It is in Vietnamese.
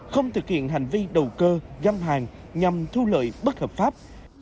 không thực hiện hành vi đầu cơ găm hàng nhằm thu lợi bất hợp pháp